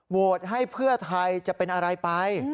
ให้เพื่อไทยจะเป็นอะไรไป